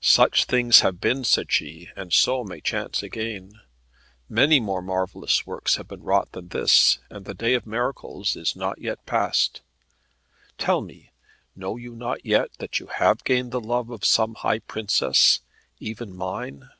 "Such things have been," said she, "and so may chance again. Many more marvellous works have been wrought than this, and the day of miracles is not yet past. Tell me, know you not yet that you have gained the love of some high princess, even mine?"